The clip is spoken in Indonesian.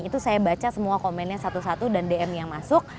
itu saya baca semua komennya satu satu dan dm yang masuk